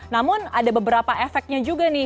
namun ada beberapa efeknya juga nih